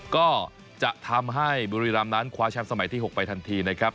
ก็จะทำให้บุรีรำนั้นคว้าแชมป์สมัยที่๖ไปทันทีนะครับ